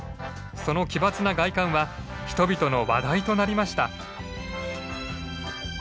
その奇抜な外観は人々の話題となりました。